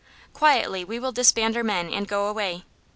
Quietly we will disband our men and go away.